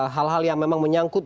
hal hal yang memang menyangkut